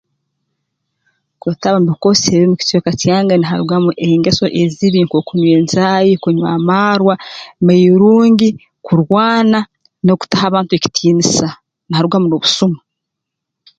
Kwetaba mu bikoosi ebibi mu kicweka kyange niharugamu engeso ezibi nk'okunywa enjaahi kunywa amarwa mairungi kurwana n'okutaha bantu ekitiinisa niharugamu n'obusuma